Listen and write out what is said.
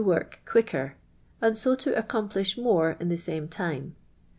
908 wirk qukltr, and lo to accomplifh more in the ■ame time.